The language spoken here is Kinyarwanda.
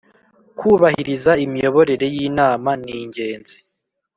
kubahiriza imiyoborere y inama ningenzi.